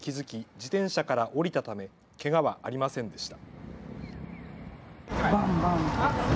自転車から降りたためけがはありませんでした。